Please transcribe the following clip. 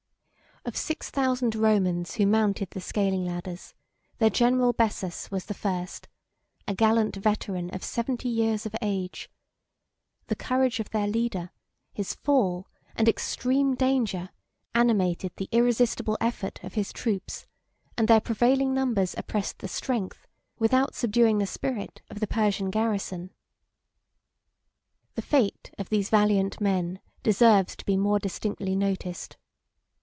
Of six thousand Romans who mounted the scaling ladders, their general Bessas was the first, a gallant veteran of seventy years of age: the courage of their leader, his fall, and extreme danger, animated the irresistible effort of his troops; and their prevailing numbers oppressed the strength, without subduing the spirit, of the Persian garrison. The fate of these valiant men deserves to be more distinctly noticed.